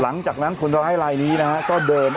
หลังจากนั้นคนร้ายลายนี้นะฮะก็เดิน